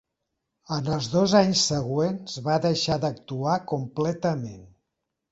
En els dos anys següents va deixar d'actuar completament.